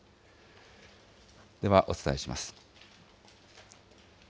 ではお伝えします。